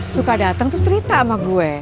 suka datang terus cerita sama gue